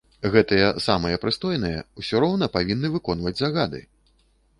Гэтыя самыя прыстойныя ўсё роўна павінны выконваць загады.